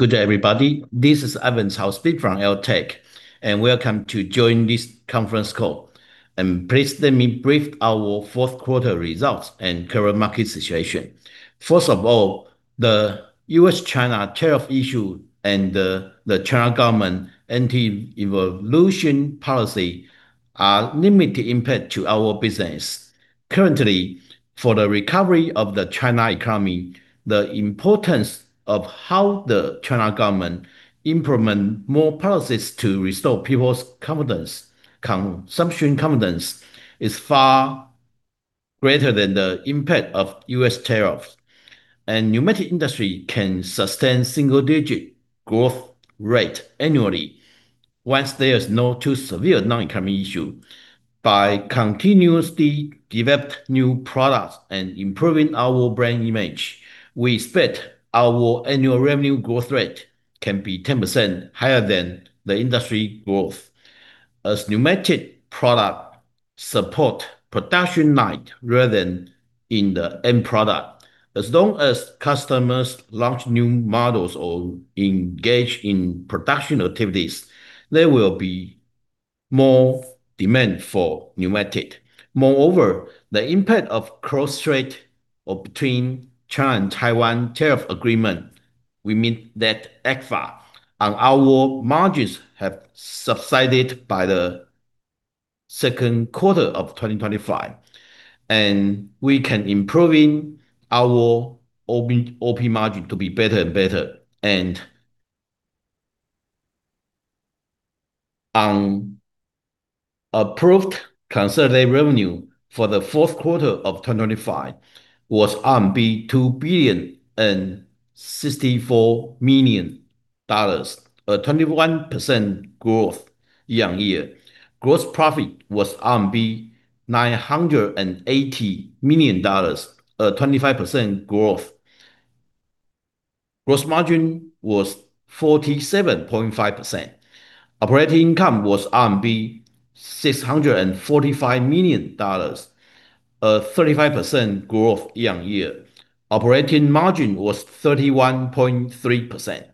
Good day, everybody. This is Ivan Tsao speaking from AirTAC, and welcome to join this conference call. Please let me brief our fourth quarter results and current market situation. First of all, the U.S.-China tariff issue and the China government anti-involution policy are limited impact to our business. Currently, for the recovery of the China economy, the importance of how the China government implements more policies to restore people's consumption confidence is far greater than the impact of U.S. tariffs. The manufacturing industry can sustain single-digit growth rate annually once there is no too severe non-economic issue. By continuously developing new products and improving our brand image, we expect our annual revenue growth rate can be 10% higher than the industry growth. As pneumatic products support production line rather than in the end product, as long as customers launch new models or engage in production activities, there will be more demand for pneumatic. Moreover, the impact of Cross-Strait between China and Taiwan tariff agreement will mean that export and our margins have subsided by the second quarter of 2025. We can improve our OP margin to be better and better. The consolidated revenue for the fourth quarter of 2025 was RMB 2,064,000,000, a 21% growth year-on-year. Gross profit was RMB 980,000,000, a 25% growth. Gross margin was 47.5%. Operating income was RMB 645,000,000, a 35% growth year-on-year. Operating margin was 31.3%.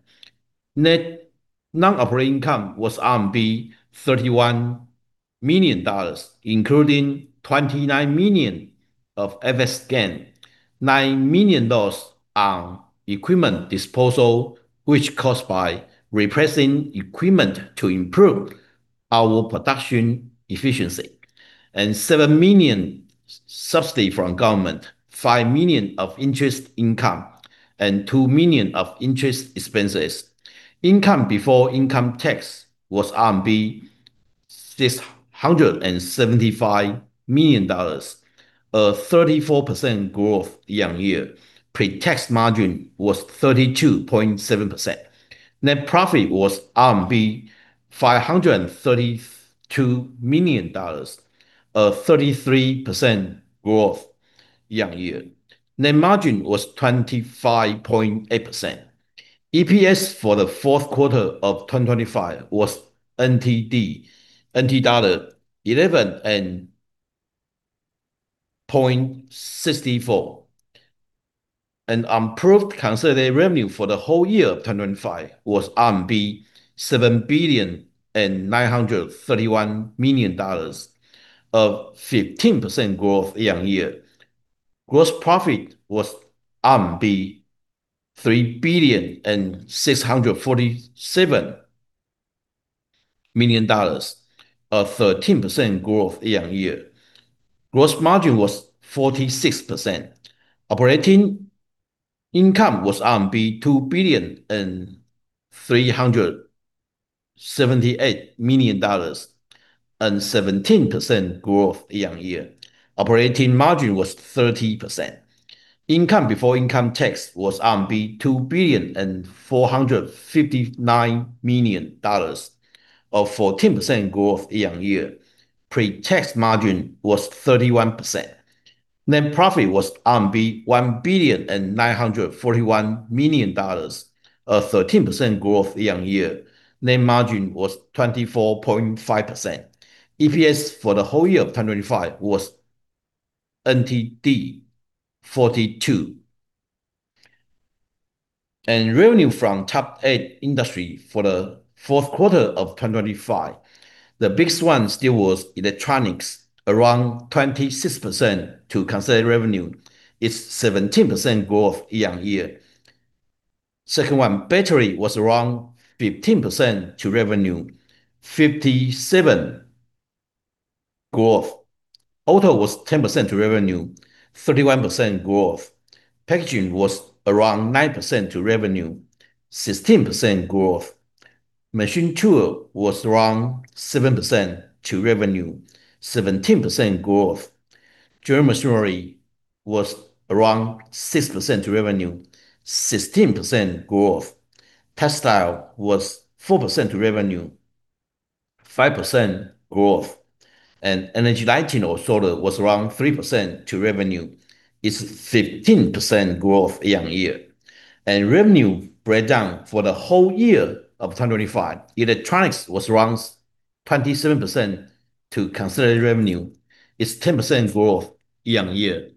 Net non-operating income was RMB 31 million, including 29 million of exchange gain, RMB 9 million on equipment disposal, which caused by replacing equipment to improve our production efficiency, and 7 million subsidy from government, 5 million of interest income, and 2 million of interest expenses. Income before income tax was RMB 675 million, a 34% growth year-on-year. Pre-tax margin was 32.7%. Net profit was RMB 532 million, a 33% growth year-on-year. Net margin was 25.8%. EPS for the fourth quarter of 2025 was NT$11.64. Approved consolidated revenue for the whole year of 2025 was RMB 7,931,000,000, a 15% growth year-on-year. Gross profit was RMB 3,647,000,000, a 13% growth year-on-year. Gross margin was 46%. Operating income was RMB 2,378,000,000, a 17% growth year-on-year. Operating margin was 30%. Income before income tax was RMB 2,459,000,000, a 14% growth year-on-year. Pre-tax margin was 31%. Net profit was RMB 1,941,000,000, a 13% growth year-on-year. Net margin was 24.5%. EPS for the whole year of 2025 was NTD 42. Revenue from top eight industries for the fourth quarter of 2025, the biggest one still was electronics, around 26% to consolidated revenue. It's 17% growth year-on-year. Second one, battery, was around 15% to revenue, 57% growth. Auto was 10% to revenue, 31% growth. Packaging was around 9% to revenue, 16% growth. Machine tools was around 7% to revenue, 17% growth. General machinery was around 6% to revenue, 16% growth. Textile was 4% to revenue, 5% growth. Energy, lighting or solar was around 3% to revenue. It's 15% growth year-on-year. Revenue breakdown for the whole year of 2025, electronics was around 27% to consolidated revenue. It's 10% growth year-on-year.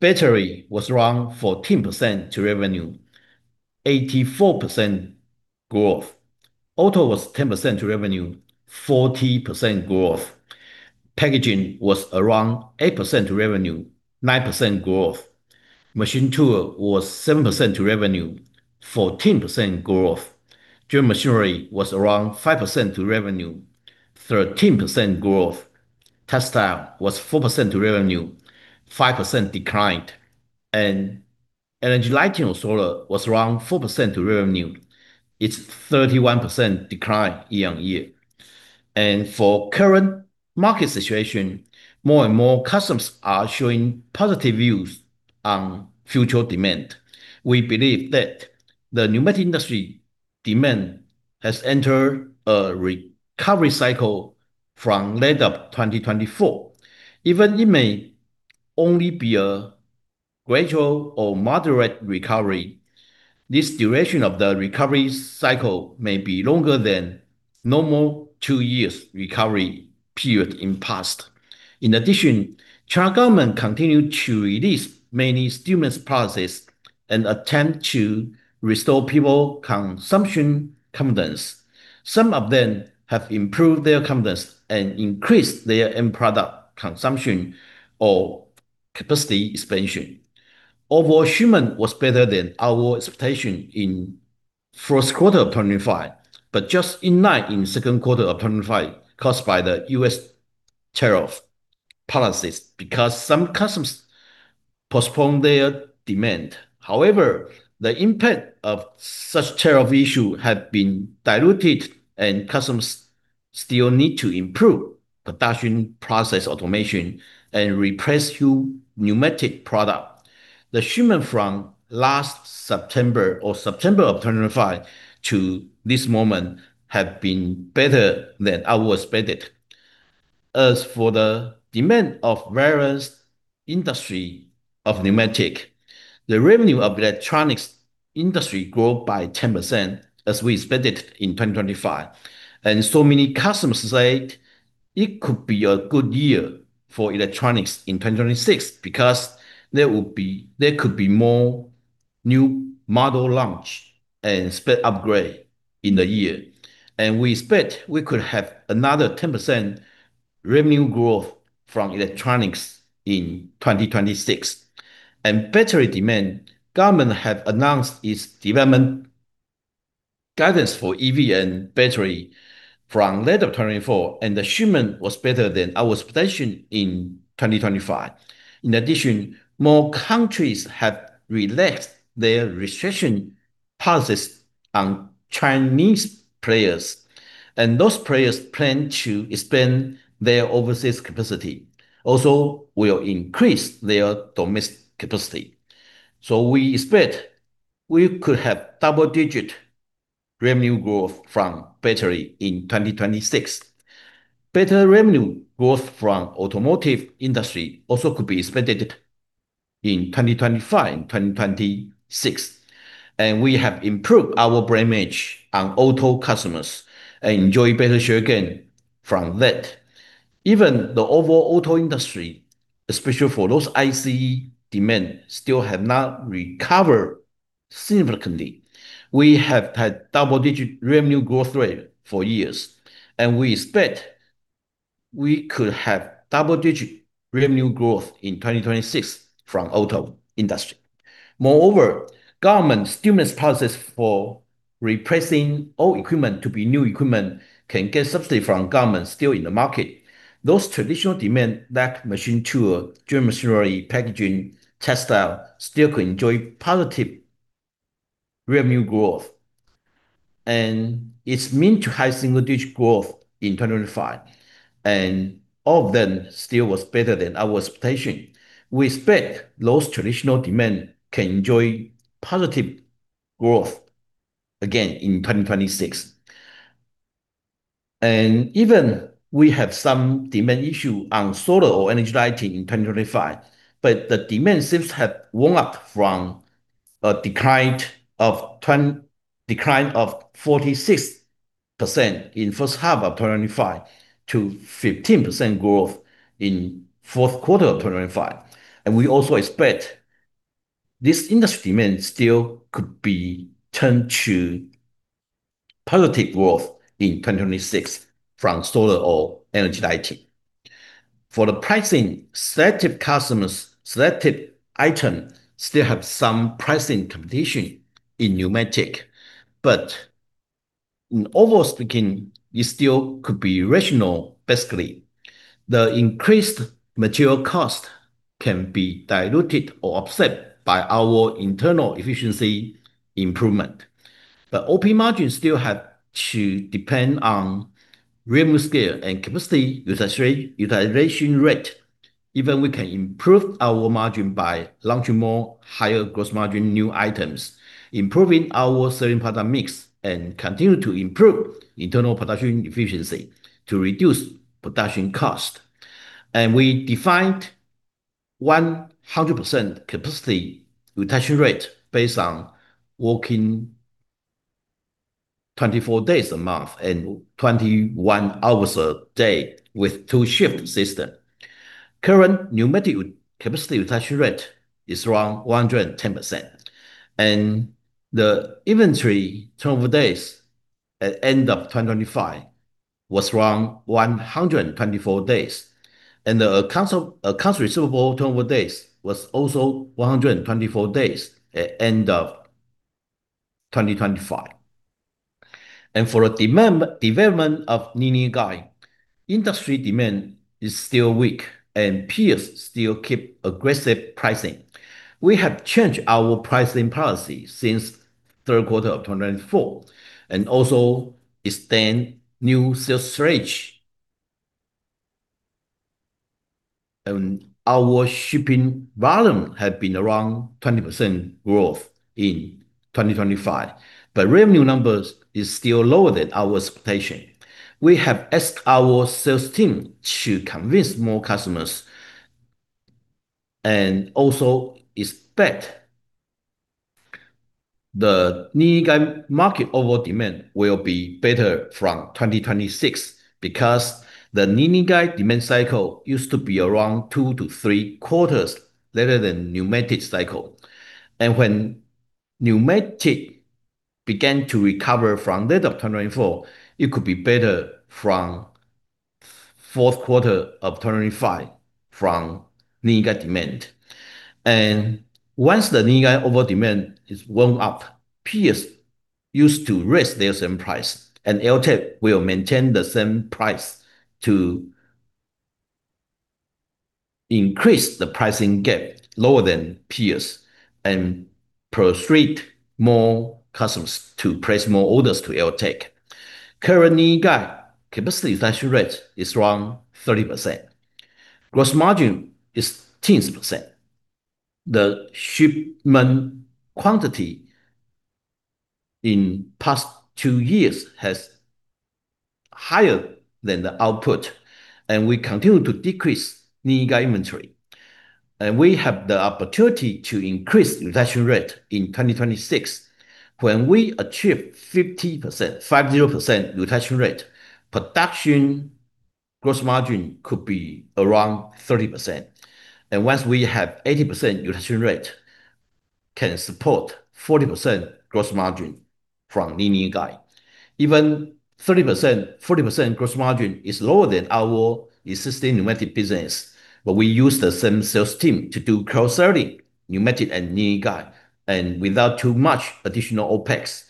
Battery was around 14% to revenue, 84% growth. Auto was 10% to revenue, 40% growth. Packaging was around 8% to revenue, 9% growth. Machine tools was 7% to revenue, 14% growth. General machinery was around 5% to revenue, 13% growth. Textile was 4% to revenue, 5% decline. Energy, lighting or solar was around 4% to revenue. It's 31% decline year-on-year. For current market situation, more and more customers are showing positive views on future demand. We believe that the manufacturing industry demand has entered a recovery cycle from late 2024. Even it may only be a gradual or moderate recovery. This duration of the recovery cycle may be longer than normal two-year recovery period in the past. In addition, China government continued to release many stimulus policies and attempt to restore people's consumption confidence. Some of them have improved their confidence and increased their end product consumption or capacity expansion. Overall, shipment was better than our expectation in the first quarter of 2025, but just in line in the second quarter of 2025 caused by the U.S. tariff policies because some customers postponed their demand. However, the impact of such tariff issues has been diluted, and customers still need to improve production process automation and replace new manufactured products. The shipment from last September or September of 2025 to this moment have been better than our expected. As for the demand of various industries of manufacturing, the revenue of the electronics industry grew by 10% as we expected in 2025. So many customers say it could be a good year for electronics in 2026 because there could be more new model launch and spec upgrade in the year. We expect we could have another 10% revenue growth from electronics in 2026. And battery demand, government has announced its development guidance for EV and battery from late 2024, and the shipment was better than our expectation in 2025. In addition, more countries have relaxed their restriction policies on Chinese players, and those players plan to expand their overseas capacity. Also, we will increase their domestic capacity. So we expect we could have double-digit revenue growth from battery in 2026. Better revenue growth from the automotive industry also could be expected in 2025 and 2026. And we have improved our brand image on auto customers and enjoy better share gain from that. Even the overall auto industry, especially for those ICE demand, still has not recovered significantly. We have had double-digit revenue growth rate for years, and we expect we could have double-digit revenue growth in 2026 from the auto industry. Moreover, government stimulus policies for replacing old equipment to be new equipment can get subsidy from government still in the market. Those traditional demand like machine tools, general machinery, packaging, textile still could enjoy positive revenue growth. It's meant to have single-digit growth in 2025. All of them still was better than our expectation. We expect those traditional demand can enjoy positive growth again in 2026. Even we have some demand issues on solar or energy, lighting in 2025, but the demand seems to have warmed up from a decline of 46% in the first half of 2025 to 15% growth in the fourth quarter of 2025. We also expect this industry demand still could be turned to positive growth in 2026 from solar or energy, lighting. For the pricing, selective customers, selective items still have some pricing competition in manufacturing. Overall speaking, it still could be rational, basically. The increased material cost can be diluted or offset by our internal efficiency improvement. OP margin still has to depend on revenue scale and capacity utilization rate. Even we can improve our margin by launching more higher gross margin new items, improving our selling product mix, and continue to improve internal production efficiency to reduce production cost. We defined 100% capacity utilization rate based on working 24 days a month and 21 hours a day with two shift systems. Current manufacturing capacity utilization rate is around 110%. The inventory turnover days at end of 2025 was around 124 days. The accounts receivable turnover days was also 124 days at end of 2025. For the development of linear guides, industry demand is still weak, and peers still keep aggressive pricing. We have changed our pricing policy since the third quarter of 2024, and also extend new sales range. Our shipping volume has been around 20% growth in 2025, but revenue numbers are still lower than our expectation. We have asked our sales team to convince more customers and also expect the linear guide market overall demand will be better from 2026 because the linear guide demand cycle used to be around two to three quarters later than the manufacturing cycle. When manufacturing began to recover from late 2024, it could be better from the fourth quarter of 2025 from linear guide demand. Once the linear guide overall demand is warmed up, peers used to raise their selling price, and AirTAC will maintain the same price to increase the pricing gap lower than peers and persuade more customers to place more orders to AirTAC. Current linear guides capacity utilization rate is around 30%. Gross margin is 16%. The shipment quantity in the past two years has been higher than the output, and we continue to decrease linear guides inventory. We have the opportunity to increase the utilization rate in 2026. When we achieve 50% utilization rate, production gross margin could be around 30%. Once we have 80% utilization rate, we can support 40% gross margin from linear guides. Even 30%-40% gross margin is lower than our existing manufacturing business, but we use the same sales team to do cross-selling manufacturing and linear guides and without too much additional OpEx.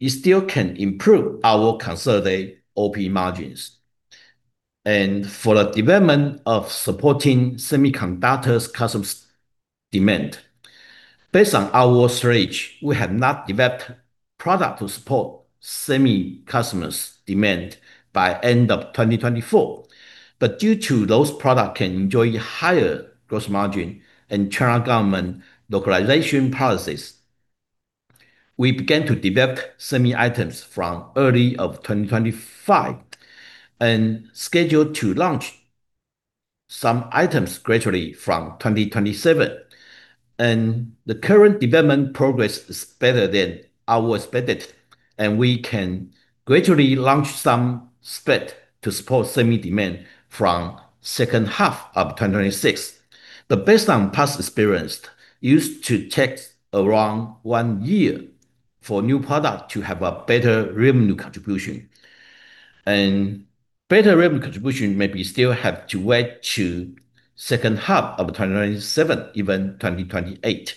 It still can improve our consolidated OP margins. For the development of supporting semiconductors customers' demand, based on our strategy, we have not developed products to support semi customers' demand by the end of 2024. But due to those products can enjoy higher gross margin and China government localization policies, we began to develop semi items from early 2025 and scheduled to launch some items gradually from 2027. The current development progress is better than our expected, and we can gradually launch some specs to support semi demand from the second half of 2026. But based on past experience, it used to take around one year for new products to have a better revenue contribution. Better revenue contribution maybe still have to wait to the second half of 2027, even 2028.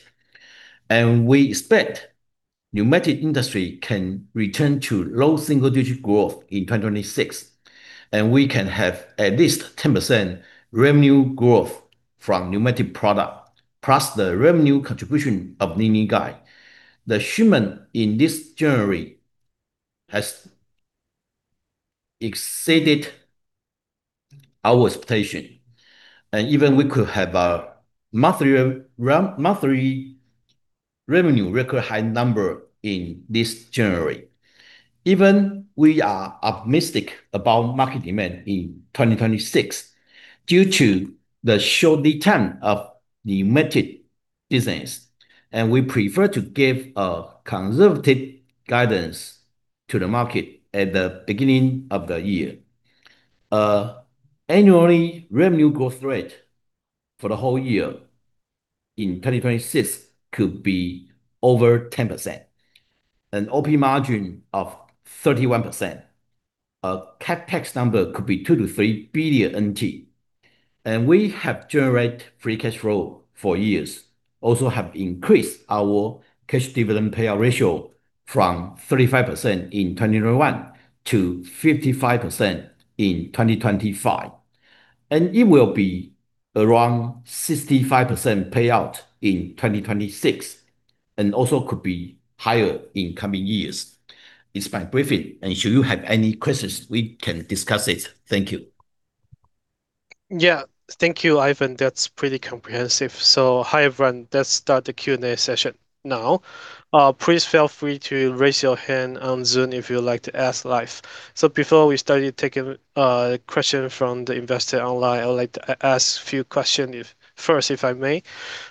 We expect the manufacturing industry can return to low single-digit growth in 2026, and we can have at least 10% revenue growth from manufacturing products plus the revenue contribution of linear guides. The shipment in this January has exceeded our expectation, and even we could have a monthly revenue record high number in this January. Even we are optimistic about market demand in 2026 due to the short lead time of the manufacturing business, and we prefer to give a conservative guidance to the market at the beginning of the year. Annual revenue growth rate for the whole year in 2026 could be over 10%, an OP margin of 31%. A CapEx number could be NTD 2-3 billion. We have generated free cash flow for years, also have increased our cash dividend payout ratio from 35% in 2021 to 55% in 2025. It will be around 65% payout in 2026, and also could be higher in coming years. It's my briefing, and should you have any questions, we can discuss it. Thank you. Yeah, thank you, Ivan. That's pretty comprehensive. So, hi, everyone. Let's start the Q&A session now. Please feel free to raise your hand on Zoom if you'd like to ask live. So, before we started taking questions from the investor online, I'd like to ask a few questions first, if I may.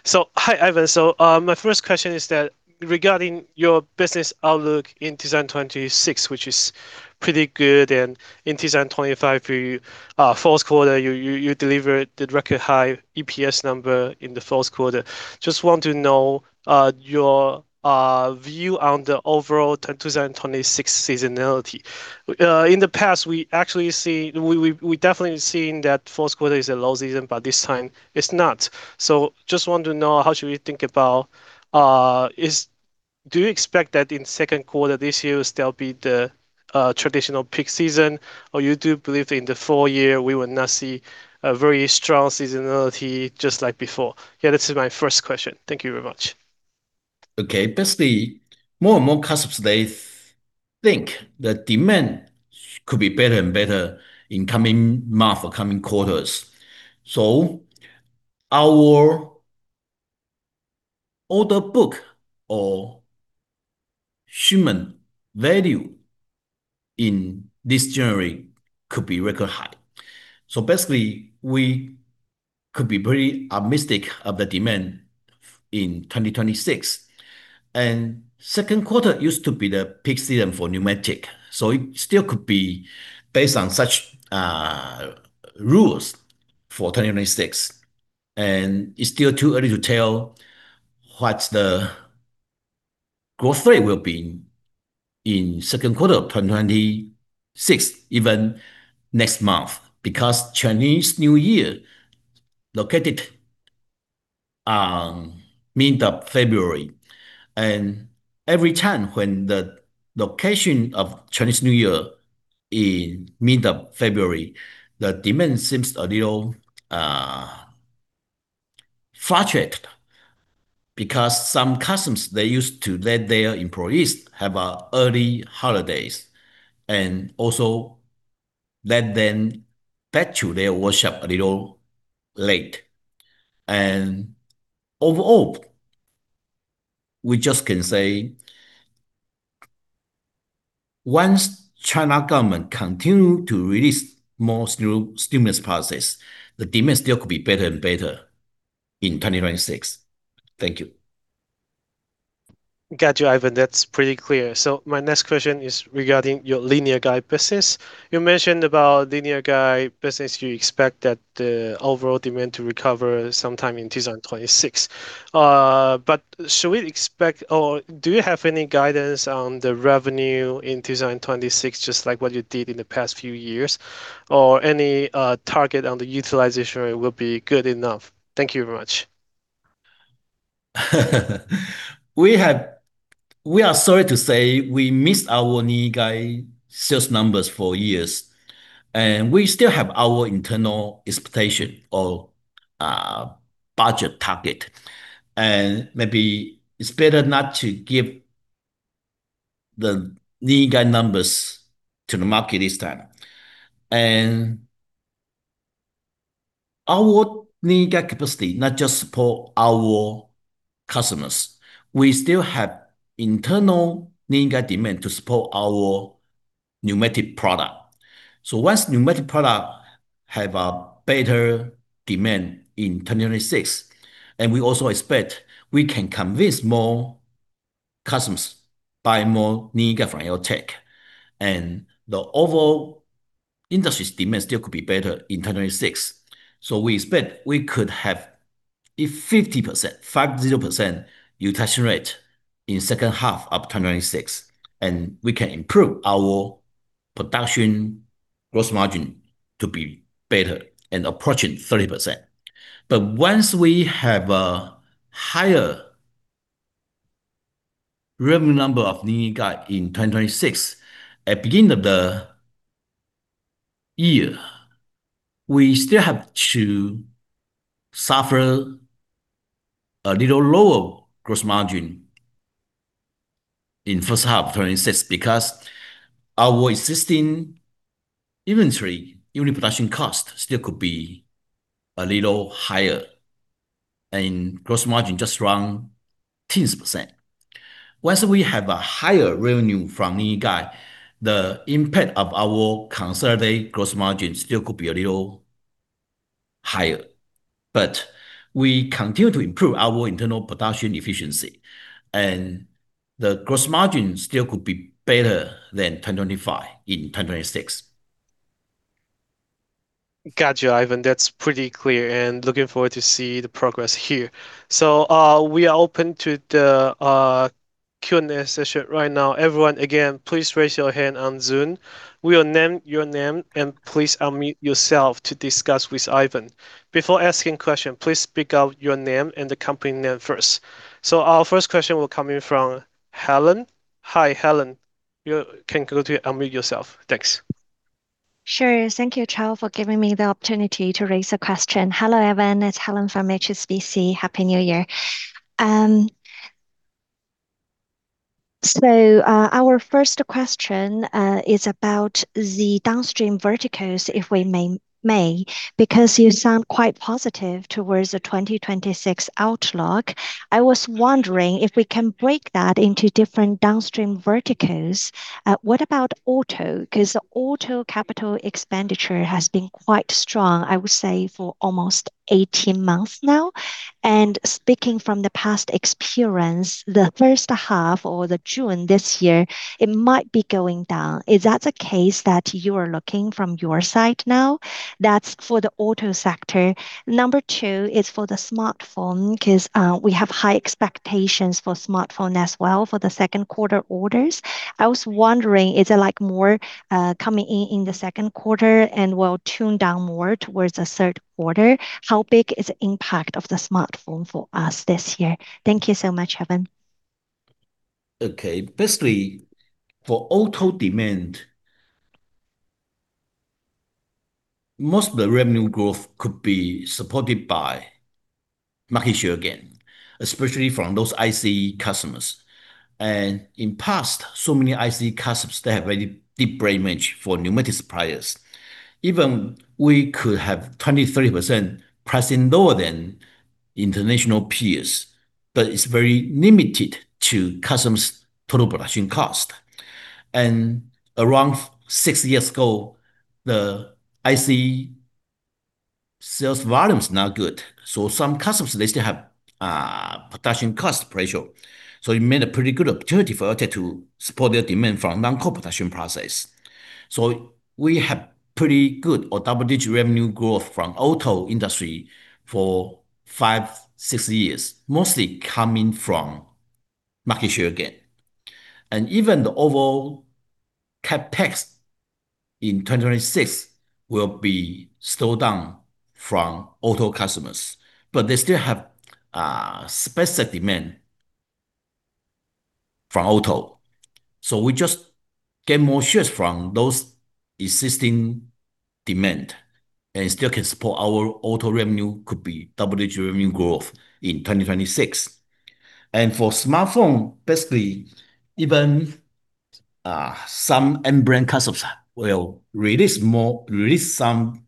So, hi, Ivan. So, my first question is that regarding your business outlook in 2026, which is pretty good, and in 2025, for the fourth quarter, you delivered the record high EPS number in the fourth quarter. Just want to know your view on the overall 2026 seasonality. In the past, we actually see we definitely seen that fourth quarter is a low season, but this time it's not. So, just want to know how should we think about it? Do you expect that in the second quarter this year will still be the traditional peak season, or do you believe in 2024 we will not see a very strong seasonality just like before? Yeah, that's my first question. Thank you very much. Okay, basically more and more customers today think the demand could be better and better in coming months or coming quarters. So our order book or shipment value in this January could be record high. So basically we could be pretty optimistic about the demand in 2026. And the second quarter used to be the peak season for manufacturing. So it still could be based on such rules for 2026. And it's still too early to tell what the growth rate will be in the second quarter of 2026, even next month, because Chinese New Year is located in mid of February. Every time when the location of Chinese New Year is mid of February, the demand seems a little fluctuated because some customers, they used to let their employees have early holidays and also let them back to their workshop a little late. Overall, we just can say once China government continues to release more stimulus policies, the demand still could be better and better in 2026. Thank you. Got you, Ivan. That's pretty clear. My next question is regarding your linear guide business. You mentioned about linear guide business. You expect that the overall demand to recover sometime in 2026. But should we expect, or do you have any guidance on the revenue in 2026, just like what you did in the past few years, or any target on the utilization rate will be good enough? Thank you very much. We are sorry to say we missed our linear guide sales numbers for years, and we still have our internal expectation or budget target. Maybe it's better not to give the linear guide numbers to the market this time. Our linear guide capacity not just supports our customers. We still have internal linear guide demand to support our manufactured product. So once manufactured product has a better demand in 2026, and we also expect we can convince more customers to buy more linear guide from AirTAC, and the overall industry's demand still could be better in 2026. So we expect we could have a 50%, 50% utilization rate in the second half of 2026, and we can improve our production gross margin to be better and approaching 30%. But once we have a higher revenue number of linear guides in 2026, at the beginning of the year, we still have to suffer a little lower gross margin in the first half of 2026 because our existing inventory, even production cost, still could be a little higher, and gross margin just around 10%. Once we have a higher revenue from linear guides, the impact of our consolidated gross margin still could be a little higher. But we continue to improve our internal production efficiency, and the gross margin still could be better than 2025 in 2026. Got you, Ivan. That's pretty clear, and looking forward to seeing the progress here. So we are open to the Q&A session right now. Everyone, again, please raise your hand on Zoom. We will name your name, and please unmute yourself to discuss with Ivan. Before asking questions, please speak out your name and the company name first. So our first question will come in from Helen. Hi, Helen. You can go to unmute yourself. Thanks. Sure. Thank you, Chao, for giving me the opportunity to raise a question. Hello, Ivan. It's Helen from HSBC. Happy New Year. So our first question is about the downstream verticals, if we may, because you sound quite positive towards the 2026 outlook. I was wondering if we can break that into different downstream verticals. What about auto? Because auto capital expenditure has been quite strong, I would say, for almost 18 months now. And speaking from the past experience, the first half or June this year, it might be going down. Is that the case that you are looking from your side now? That's for the auto sector. Number two is for the smartphone because we have high expectations for smartphone as well for the second quarter orders. I was wondering, is it like more coming in in the second quarter and will tune down more towards the third quarter? How big is the impact of the smartphone for us this year? Thank you so much, Ivan. Okay, basically for auto demand, most of the revenue growth could be supported by market share again, especially from those ICE customers. In the past, so many ICE customers, they have very deep brand image for manufacturing suppliers. Even we could have 20%-30% pricing lower than international peers, but it's very limited to customers' total production cost. Around six years ago, the ICE sales volume is not good. So some customers, they still have production cost pressure. So it made a pretty good opportunity for AirTAC to support their demand from non-core production process. So we have pretty good or double-digit revenue growth from auto industry for five, six years, mostly coming from market share again. And even the overall CapEx in 2026 will be slowed down from auto customers, but they still have specific demand from auto. So we just get more shares from those existing demand and still can support our auto revenue, could be double-digit revenue growth in 2026. And for smartphone, basically even some end-brand customers will release some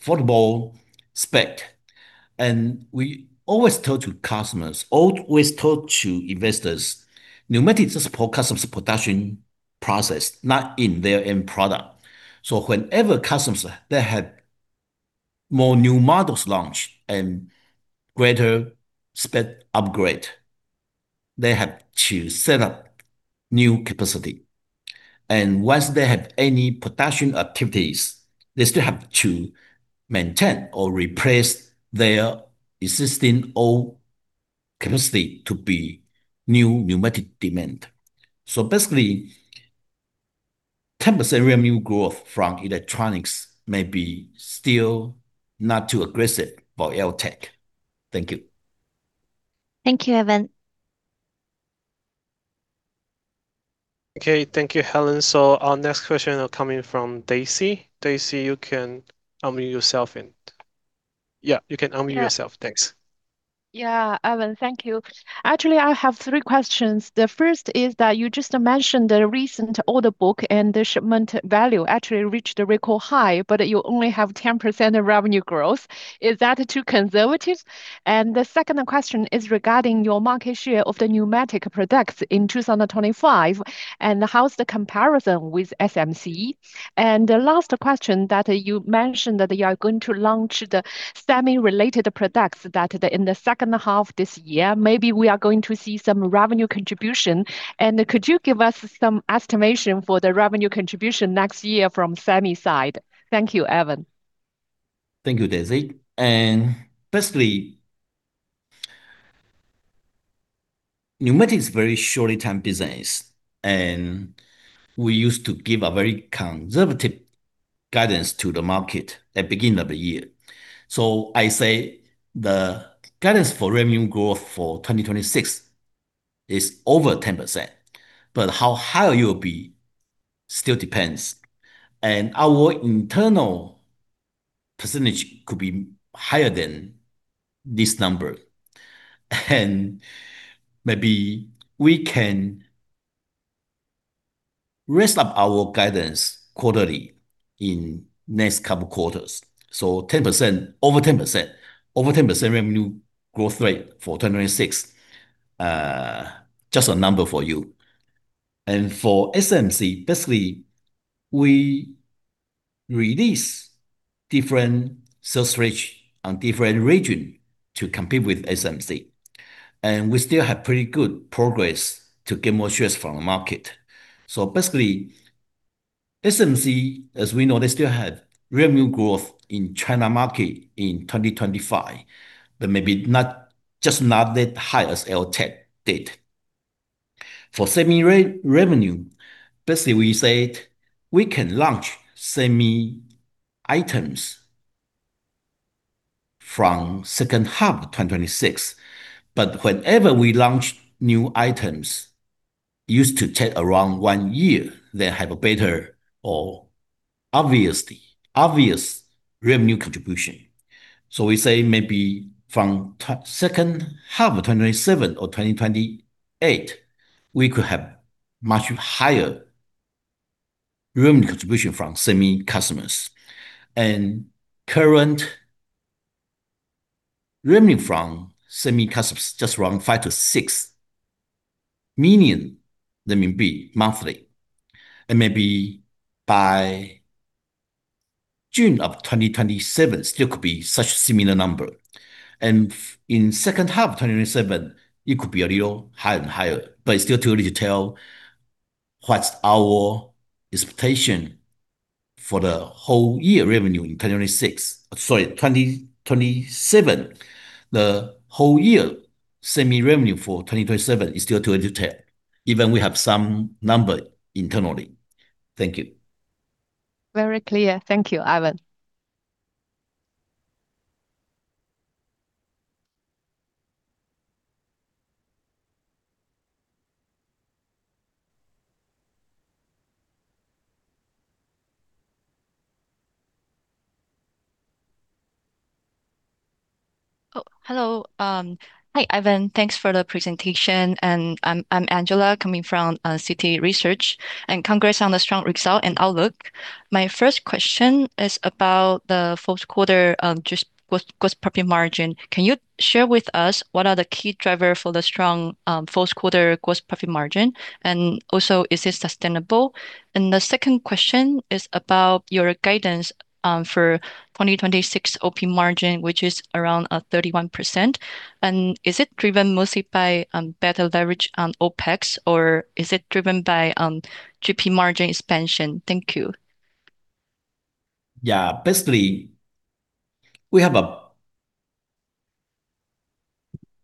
affordable specs. And we always tell customers, always tell investors, manufacturing just supports customers' production process, not in their end product. So whenever customers, they have more new models launched and greater spec upgrade, they have to set up new capacity. Once they have any production activities, they still have to maintain or replace their existing old capacity to be new manufactured demand. So basically, 10% revenue growth from electronics may be still not too aggressive for AirTAC. Thank you. Thank you, Ivan. Okay, thank you, Helen. So our next question is coming from Daisy. Daisy, you can unmute yourself in. Yeah, you can unmute yourself. Thanks. Yeah, Ivan, thank you. Actually, I have three questions. The first is that you just mentioned the recent order book and the shipment value actually reached a record high, but you only have 10% revenue growth. Is that too conservative? And the second question is regarding your market share of the pneumatic products in 2025, and how's the comparison with SMC? The last question that you mentioned that you are going to launch the semi-related products that in the second half of this year, maybe we are going to see some revenue contribution. And could you give us some estimation for the revenue contribution next year from semi side? Thank you, Evan. Thank you, Daisy. And basically, pneumatics is a very short-term business, and we used to give a very conservative guidance to the market at the beginning of the year. So I say the guidance for revenue growth for 2026 is over 10%, but how high it will be still depends. And our internal percentage could be higher than this number. And maybe we can reset our guidance quarterly in the next couple of quarters. So 10%, over 10%, over 10% revenue growth rate for 2026, just a number for you. For SMC, basically, we release different sales rates on different regions to compete with SMC. We still have pretty good progress to get more shares from the market. Basically, SMC, as we know, they still have revenue growth in the China market in 2025, but maybe not just not that high as AirTAC did. For semi revenue, basically we said we can launch semi items from the second half of 2026, but whenever we launch new items, it used to take around 1 year to have a better or obvious revenue contribution. We say maybe from the second half of 2027 or 2028, we could have much higher revenue contribution from semi customers. Current revenue from semi customers is just around 5 million-6 million monthly. Maybe by June of 2027, it still could be such a similar number. And in the second half of 2027, it could be a little higher and higher, but it's still too early to tell what's our expectation for the whole year revenue in 2026. Sorry, 2027, the whole year semi revenue for 2027 is still too early to tell, even we have some numbers internally. Thank you. Very clear. Thank you, Ivan. Oh, hello. Hi, Ivan. Thanks for the presentation. And I'm Angela coming from Citi Research. And congrats on the strong results and outlook. My first question is about the fourth quarter gross profit margin. Can you share with us what are the key drivers for the strong fourth quarter gross profit margin? And also, is it sustainable? And the second question is about your guidance for 2026 OP margin, which is around 31%. Is it driven mostly by better leverage on OpEx, or is it driven by GP margin expansion? Thank you. Yeah, basically, we have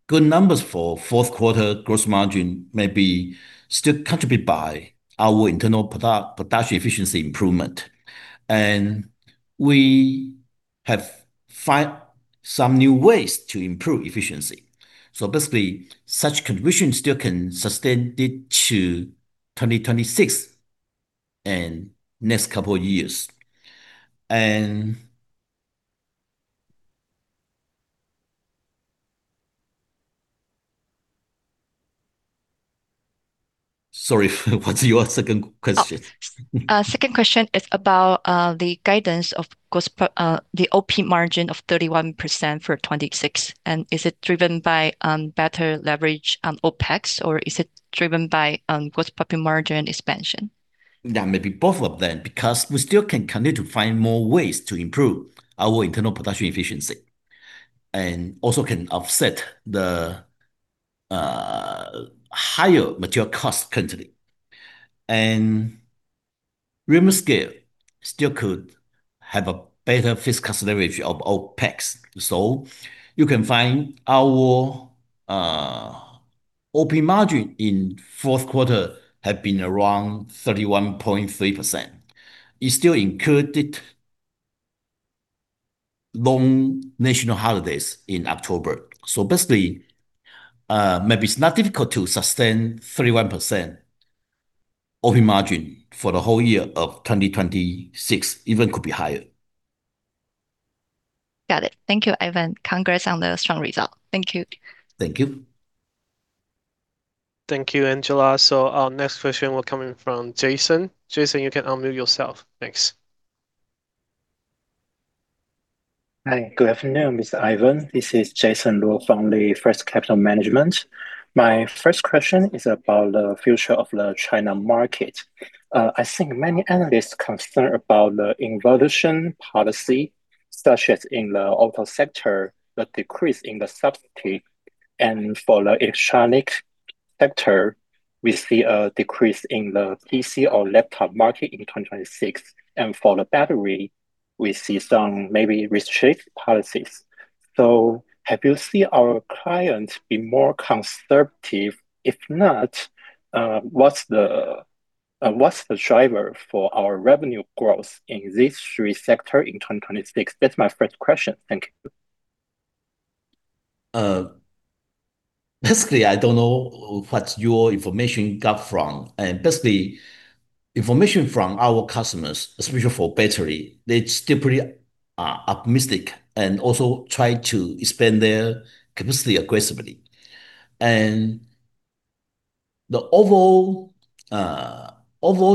good numbers for fourth quarter gross margin, maybe still contributed by our internal production efficiency improvement. And we have found some new ways to improve efficiency. So basically, such contribution still can sustain it to 2026 and next couple of years. And sorry, what's your second question? Second question is about the guidance of the OP margin of 31% for 2026. And is it driven by better leverage on OpEx, or is it driven by gross profit margin expansion? Yeah, maybe both of them because we still can continue to find more ways to improve our internal production efficiency and also can offset the higher material cost currently. And revenue scale still could have a better fiscal leverage of OpEx. So you can find our OP margin in the fourth quarter has been around 31.3%. It still included long national holidays in October. So basically, maybe it's not difficult to sustain 31% OP margin for the whole year of 2026, even could be higher. Got it. Thank you, Ivan. Congrats on the strong result. Thank you. Thank you. Thank you, Angela. So our next question will come in from Jason. Jason, you can unmute yourself. Thanks. Hi, good afternoon, Mr. Ivan. This is Jason Luo from First Capital Management. My first question is about the future of the China market. I think many analysts are concerned about the anti-involution policy, such as in the auto sector, the decrease in the subsidy. And for the electronic sector, we see a decrease in the PC or laptop market in 2026. And for the battery, we see some maybe restricted policies. So have you seen our clients be more conservative? If not, what's the driver for our revenue growth in these three sectors in 2026? That's my first question. Thank you. Basically, I don't know what your information got from. Basically, information from our customers, especially for battery, they're still pretty optimistic and also try to expand their capacity aggressively. The overall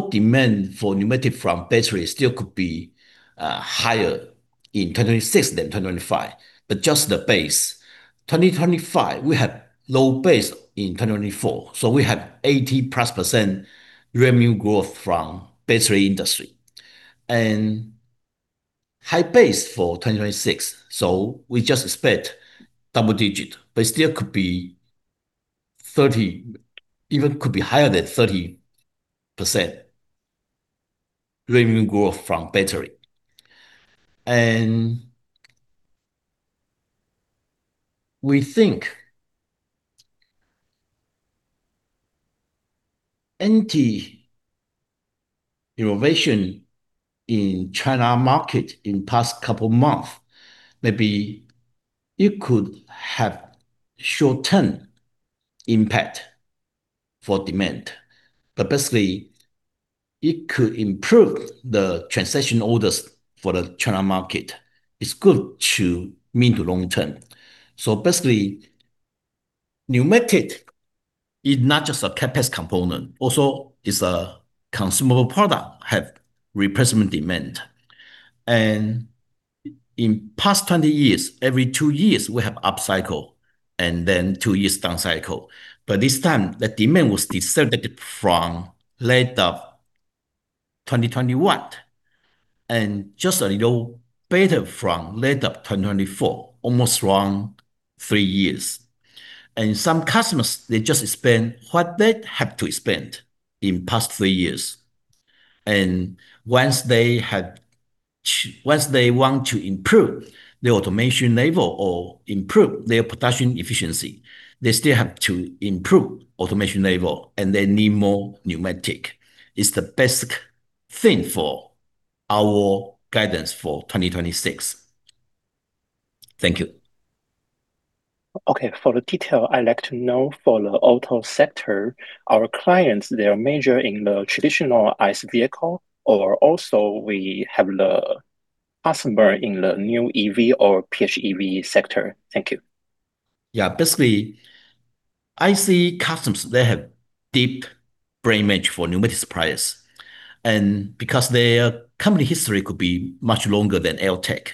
demand for pneumatic from battery still could be higher in 2026 than 2025, but just the base. 2025, we have low base in 2024. So we have 80+% revenue growth from the battery industry and high base for 2026. So we just expect double digit, but it still could be 30, even could be higher than 30% revenue growth from battery. We think anti-involution in the China market in the past couple of months, maybe it could have short-term impact for demand. But basically, it could improve the transaction orders for the China market. It's good to mean the long term. So basically, pneumatic is not just a CapEx component. Also, it's a consumable product that has replacement demand. And in the past 20 years, every two years, we have up cycle and then two years down cycle. But this time, the demand was deserted from late of 2021 and just a little better from late of 2024, almost around three years. And some customers, they just expand what they have to expand in the past three years. And once they want to improve their automation level or improve their production efficiency, they still have to improve automation level, and they need more pneumatic. It's the best thing for our guidance for 2026. Thank you. Okay, for the detail, I'd like to know for the auto sector, our clients, they are major in the traditional ICE vehicle, or also we have the customer in the new EV or PHEV sector. Thank you. Yeah, basically, ICE customers, they have deep brand match for pneumatic suppliers. And because their company history could be much longer than AirTAC.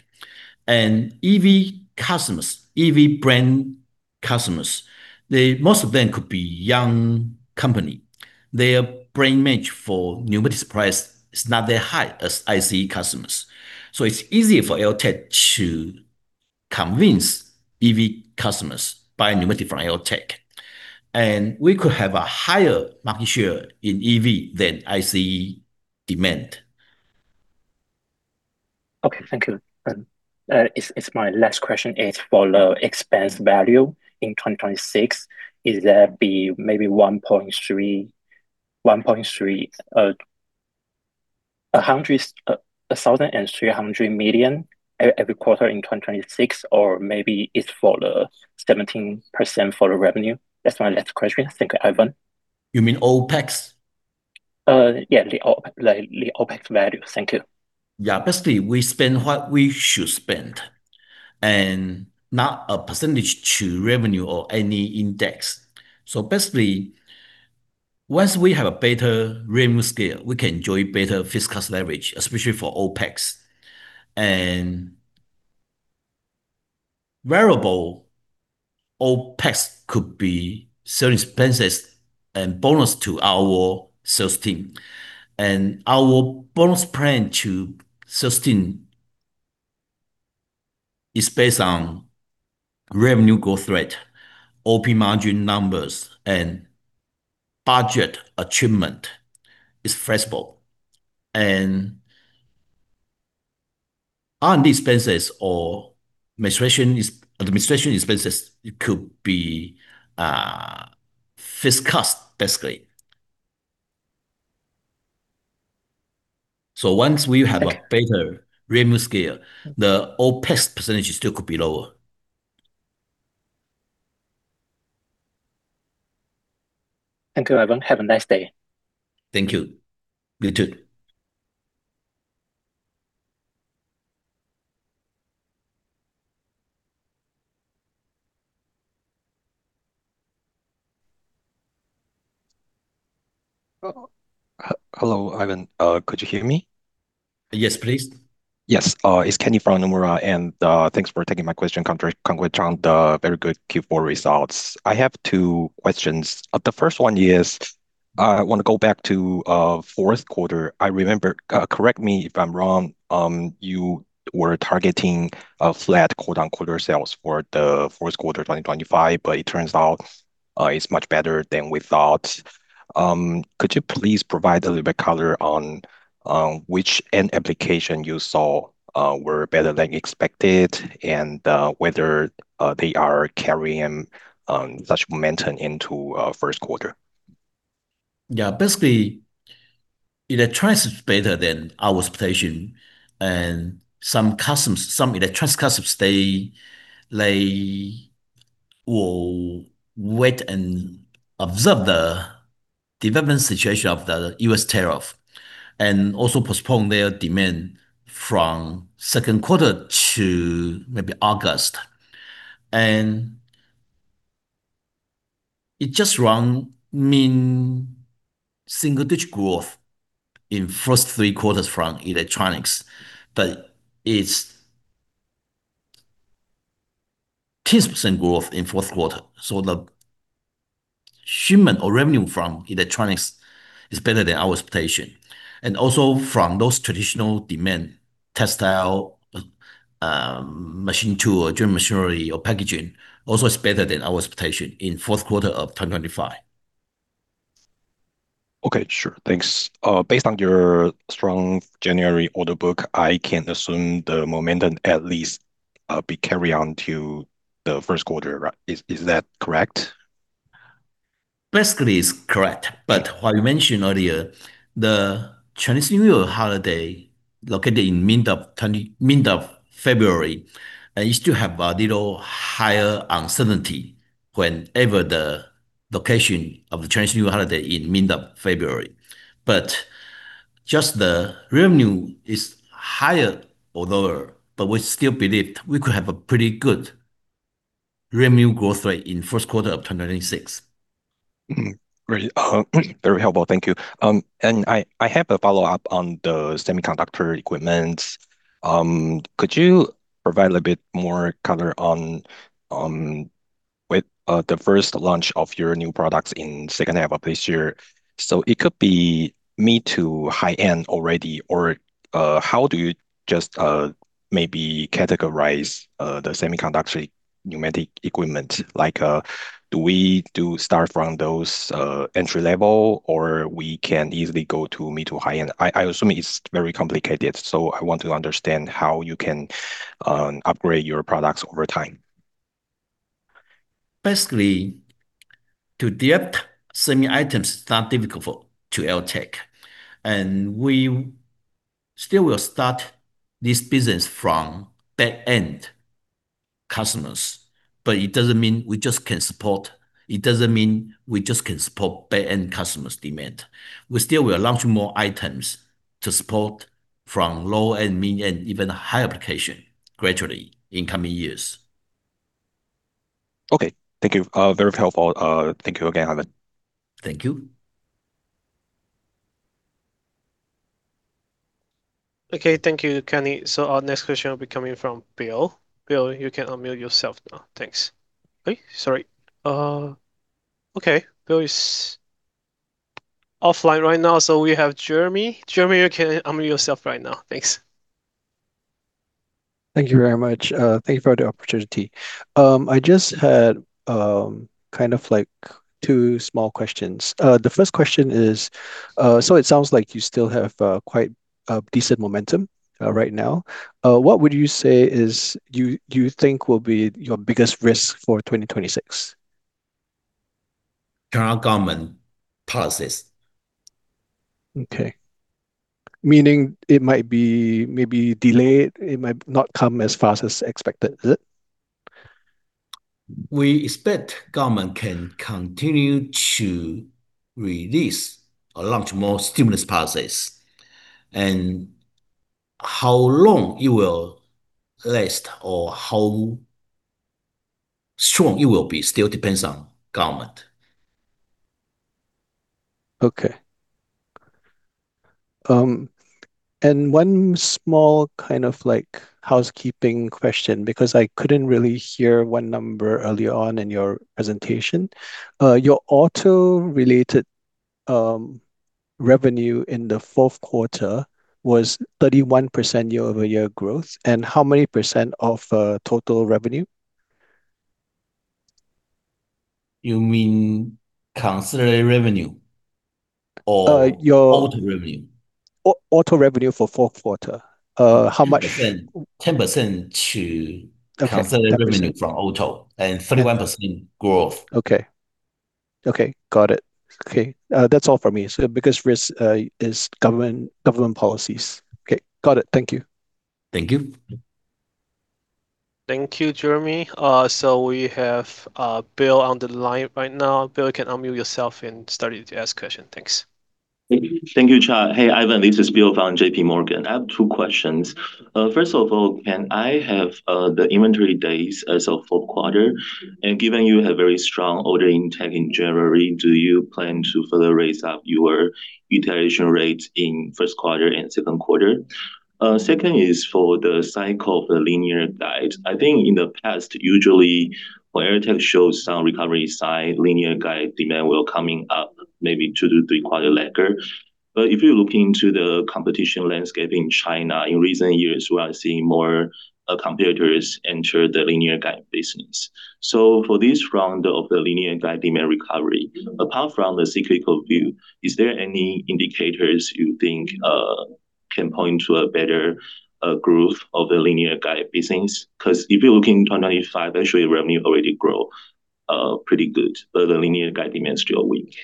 And EV customers, EV brand customers, most of them could be young companies. Their brand match for pneumatic suppliers is not that high as ICE customers. So it's easier for AirTAC to convince EV customers to buy pneumatic from AirTAC. And we could have a higher market share in EV than ICE demand. Okay, thank you. And it's my last question is for the CapEx value in 2026. Is there be maybe NTD 1.3, NTD 1.3, NTD 1,300 million every quarter in 2026, or maybe it's for the 17% for the revenue? That's my last question. Thank you, Ivan. You mean OpEx? Yeah, the OpEx value. Thank you. Yeah, basically, we spend what we should spend and not a percentage to revenue or any index. So basically, once we have a better revenue scale, we can enjoy better fiscal leverage, especially for OpEx. And variable OpEx could be certain expenses and bonus to our sales team. And our bonus plan to sales team is based on revenue growth rate, OP margin numbers, and budget achievement. It's flexible. And R&D expenses or administration expenses could be fiscal, basically. So once we have a better revenue scale, the OpEx percentage still could be lower. Thank you, Ivan. Have a nice day. Thank you. You too. Hello, Ivan. Could you hear me? Yes, please. Yes, it's Kenny from Nomura, and thanks for taking my question. Congrats on the very good Q4 results. I have two questions. The first one is, I want to go back to fourth quarter. I remember, correct me if I'm wrong, you were targeting flat "sales" for the fourth quarter 2025, but it turns out it's much better than we thought. Could you please provide a little bit of color on which end application you saw were better than expected and whether they are carrying such momentum into first quarter? Yeah, basically, electronics is better than our expectation. And some customers, some electronics customers, they will wait and observe the development situation of the U.S. tariff and also postpone their demand from second quarter to maybe August. And it just around means single-digit growth in first three quarters from electronics, but it's 10% growth in fourth quarter. So the shipment or revenue from electronics is better than our expectation. Also from those traditional demand, textile, machine tool, general machinery, or packaging, also it's better than our expectation in fourth quarter of 2025. Okay, sure. Thanks. Based on your strong January order book, I can assume the momentum at least be carried on to the first quarter, right? Is that correct? Basically, it's correct. But what you mentioned earlier, the Chinese New Year holiday located in mid of February, and you still have a little higher uncertainty whenever the location of the Chinese New Year holiday in mid of February. But just the revenue is higher or lower, but we still believe we could have a pretty good revenue growth rate in first quarter of 2026. Great. Very helpful. Thank you. And I have a follow-up on the semiconductor equipment. Could you provide a little bit more color on the first launch of your new products in the second half of this year? So it could be mid to high-end already, or how do you just maybe categorize the semiconductor pneumatic equipment? Like, do we start from those entry level, or we can easily go to mid to high-end? I assume it's very complicated, so I want to understand how you can upgrade your products over time. Basically, to depth semi items is not difficult for AirTAC. And we still will start this business from back-end customers, but it doesn't mean we just can support. It doesn't mean we just can support back-end customers' demand. We still will launch more items to support from low-end, mid-end, even high application gradually in coming years. Okay. Thank you. Very helpful. Thank you again, Ivan. Thank you. Okay. Thank you, Kenny. So our next question will be coming from Bill. Bill, you can unmute yourself now. Thanks. Okay. Sorry. Okay. Bill is offline right now, so we have Jeremy. Jeremy, you can unmute yourself right now. Thanks. Thank you very much. Thank you for the opportunity. I just had kind of like two small questions. The first question is, so it sounds like you still have quite decent momentum right now. What would you say is you think will be your biggest risk for 2026? Current government policies. Okay. Meaning it might be maybe delayed. It might not come as fast as expected. Is it? We expect government can continue to release or launch more stimulus policies. And how long it will last or how strong it will be still depends on government. Okay. One small kind of like housekeeping question, because I couldn't really hear one number earlier on in your presentation. Your auto related revenue in the fourth quarter was 31% year-over-year growth. And how many percent of total revenue? You mean considered revenue or auto revenue? Auto revenue for fourth quarter. How much? 10% to considered revenue from auto and 31% growth. Okay. Okay. Got it. Okay. That's all for me. So biggest risk is government policies. Okay. Got it. Thank you. Thank you. Thank you, Jeremy. So we have Bill on the line right now. Bill, you can unmute yourself and start to ask questions. Thanks. Thank you, Charles. Hey, Ivan. This is Bill from JPMorgan. I have two questions. First of all, can I have the inventory days as of fourth quarter? Given you have very strong ordering tech in January, do you plan to further raise up your utilization rates in first quarter and second quarter? Second is for the cycle of the linear guide. I think in the past, usually when AirTAC shows some recovery sign, linear guide demand will come in up maybe two to three quarters later. But if you're looking into the competition landscape in China, in recent years, we are seeing more competitors enter the linear guide business. So for this round of the linear guide demand recovery, apart from the cyclical view, is there any indicators you think can point to a better growth of the linear guide business? Because if you're looking in 2025, actually revenue already grew pretty good, but the linear guide demand is still weak.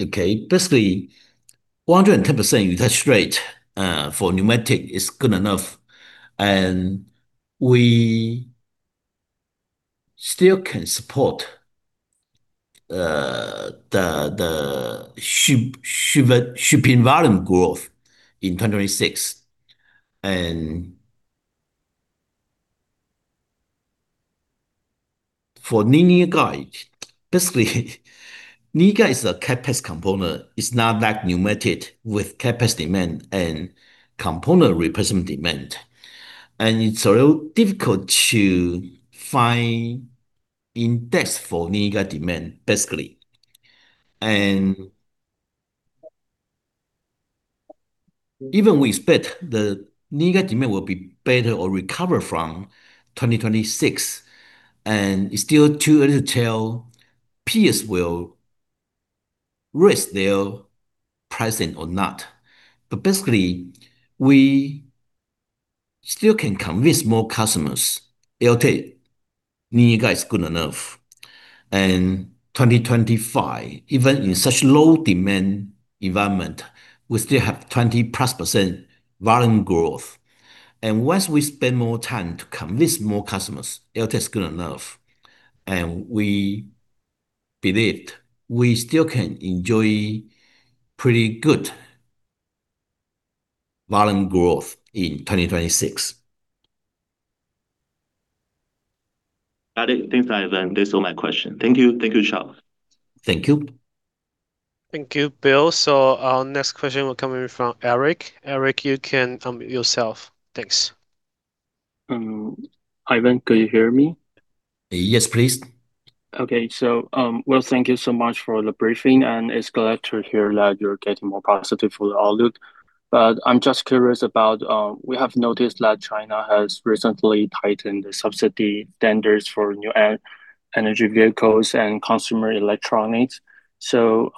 Okay. Basically, 110% utilization rate for pneumatic is good enough. We still can support the shipping volume growth in 2026. For linear guide, basically, linear guide is a CapEx component. It's not like pneumatic with CapEx demand and component replacement demand. It's a little difficult to find index for linear guide demand, basically. Even we expect the linear guide demand will be better or recover from 2026. It's still too early to tell peers will raise their pricing or not. But basically, we still can convince more customers, AirTAC, linear guide is good enough. And 2025, even in such low demand environment, we still have 20%+ volume growth. Once we spend more time to convince more customers, AirTAC is good enough. We believe we still can enjoy pretty good volume growth in 2026. Thanks, Ivan. That's all my question. Thank you. Thank you, Chao. Thank you. Thank you, Bill. So our next question will come in from Eric. Eric, you can unmute yourself. Thanks. Ivan, can you hear me? Yes, please. Okay. So, well, thank you so much for the briefing. And it's good to hear that you're getting more positive for the outlook. But I'm just curious about, we have noticed that China has recently tightened the subsidy standards for new energy vehicles and consumer electronics. So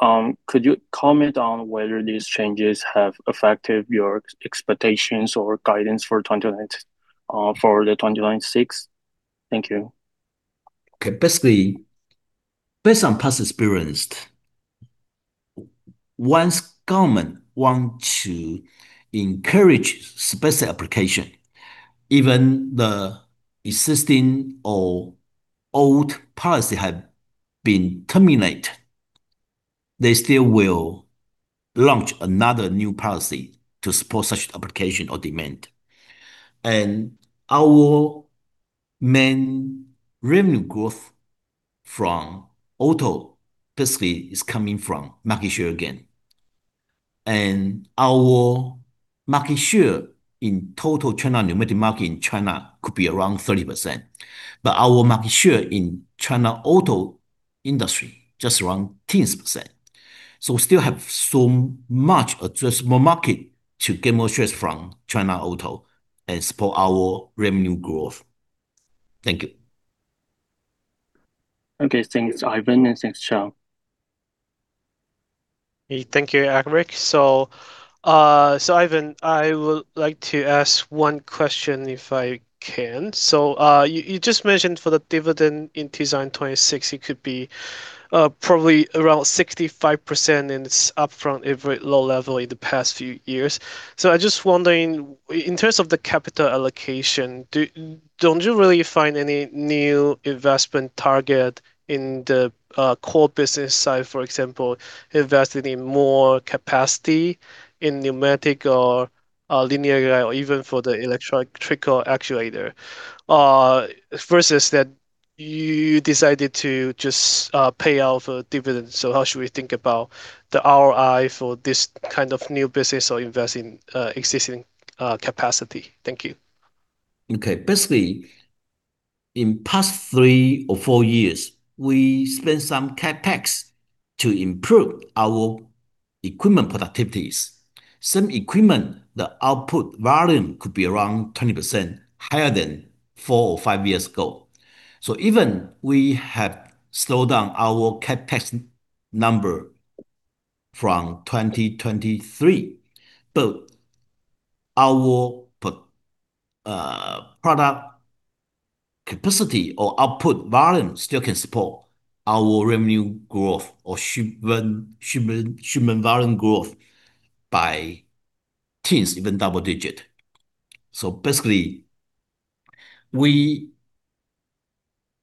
could you comment on whether these changes have affected your expectations or guidance for 2026? Thank you. Okay. Basically, based on past experience, once government wants to encourage special application, even the existing or old policy have been terminated, they still will launch another new policy to support such application or demand. And our main revenue growth from auto, basically, is coming from market share again. And our market share in total China pneumatic market in China could be around 30%. But our market share in China auto industry just around 10%. So we still have so much addressable market to get more shares from China auto and support our revenue growth. Thank you. Okay. Thanks, Ivan. And thanks, Chao. Thank you, Eric. So, Ivan, I would like to ask one question if I can. So you just mentioned for the dividend in 2026, it could be probably around 65% in its payout every low level in the past few years. So I'm just wondering, in terms of the capital allocation, don't you really find any new investment target in the core business side, for example, investing in more capacity in pneumatic or linear guide or even for the electric actuator versus that you decided to just pay out for dividends? So how should we think about the ROI for this kind of new business or investing existing capacity? Thank you. Okay. Basically, in past three or four years, we spent some CapEx to improve our equipment productivities. Some equipment, the output volume could be around 20% higher than four or five years ago. So even we have slowed down our CapEx number from 2023, but our product capacity or output volume still can support our revenue growth or shipment volume growth by teens, even double digit. So basically, we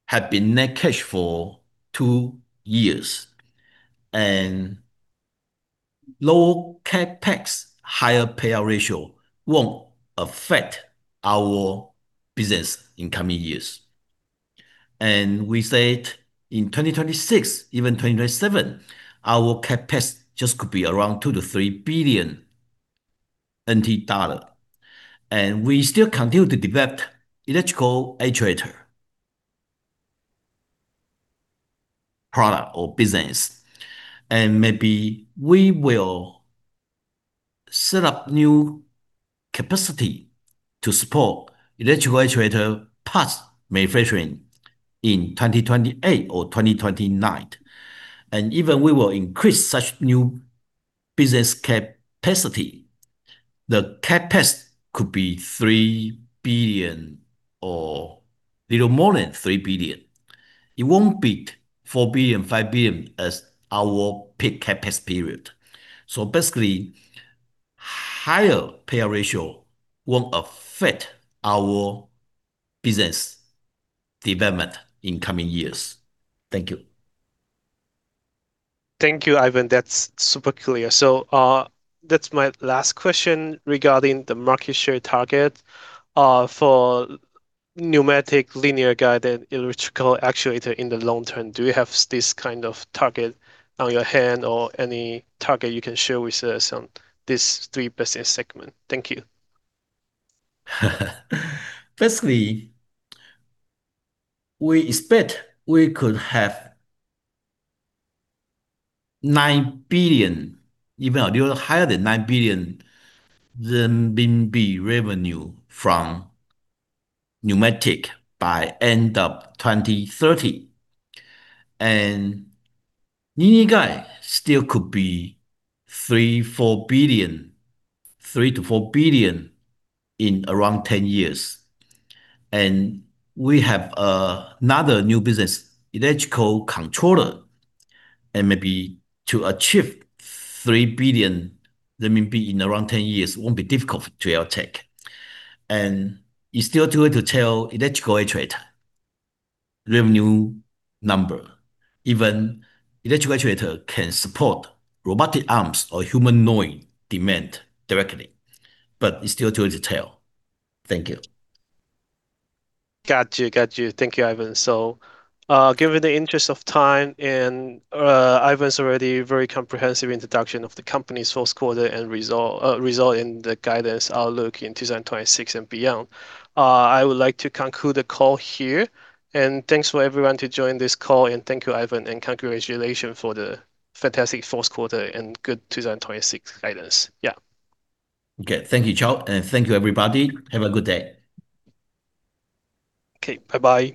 have been net cash for two years, and low CapEx, higher payout ratio won't affect our business in coming years. And we said in 2026, even 2027, our CapEx just could be around NTD 2 billion-NTD 3 billion. And we still continue to develop electric actuator product or business. And maybe we will set up new capacity to support electric actuator parts manufacturing in 2028 or 2029. And even we will increase such new business capacity. The CapEx could be 3 billion or a little more than 3 billion. It won't be 4 billion, 5 billion as our peak CapEx period. So basically, higher payout ratio won't affect our business development in coming years. Thank you. Thank you, Ivan. That's super clear. So that's my last question regarding the market share target for pneumatic, linear guide, electrical actuator in the long term. Do you have this kind of target at hand or any target you can share with us on these three business segments? Thank you. Basically, we expect we could have 9 billion, even a little higher than 9 billion RMB revenue from pneumatic by end of 2030. And linear guide still could be 3 billion, 4 billion, 3 billion-4 billion in around 10 years. And we have another new business, electrical controller. Maybe to achieve 3 billion in around 10 years won't be difficult for AirTAC. And it's still too early to tell electrical actuator revenue number. Even electrical actuator can support robotic arms or shipment growing demand directly, but it's still too early to tell. Thank you. Got you. Got you. Thank you, Ivan. So given the interest of time and Ivan's already very comprehensive introduction of the company's fourth quarter and results and the guidance outlook in 2026 and beyond, I would like to conclude the call here. And thanks for everyone to join this call. And thank you, Ivan. And congratulations for the fantastic fourth quarter and good 2026 guidance. Yeah. Okay. Thank you, Chao. And thank you, everybody. Have a good day. Okay. Bye-bye.